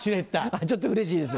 ちょっとうれしいです。